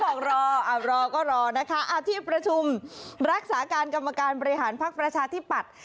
บอกรอรอก็รอนะคะที่ประชุมรักษาการกรรมการบริหารภักดิ์ประชาธิปัตย์